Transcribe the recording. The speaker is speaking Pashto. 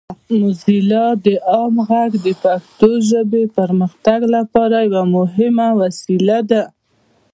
موزیلا عام غږ د پښتو ژبې د پرمختګ لپاره یوه مهمه وسیله ده.